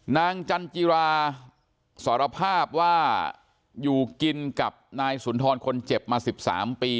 จันจิราสารภาพว่าอยู่กินกับนายสุนทรคนเจ็บมา๑๓ปี